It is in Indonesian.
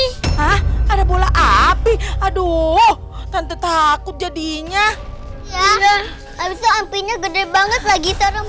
hah ada bola api aduh tante takut jadinya ya abis itu ampinya gede banget lagi serem